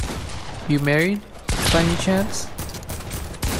You married, by any chance?